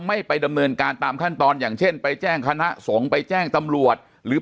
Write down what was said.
ไม่ไปดำเนินการตามขั้นตอนอย่างเช่นไปแจ้งคณะสงฆ์ไปแจ้งตำรวจหรือ